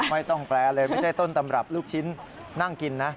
แปลเลยไม่ใช่ต้นตำรับลูกชิ้นนั่งกินนะ